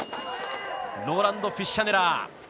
ローランド・フィッシャネラー。